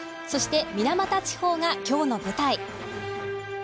そして、水俣地方がきょうの舞台。